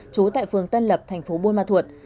trú tại phường tân lập thành phố buôn ma thuột